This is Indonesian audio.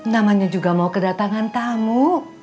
namanya juga mau kedatangan tamu